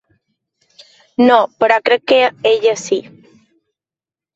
No, però crec que ella sí.